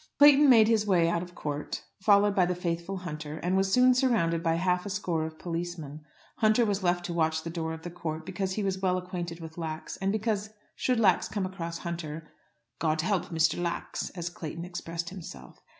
Clayton made his way out of court, followed by the faithful Hunter, and was soon surrounded by half a score of policemen. Hunter was left to watch the door of the court, because he was well acquainted with Lax, and because should Lax come across Hunter, "God help Mr. Lax!" as Clayton expressed himself.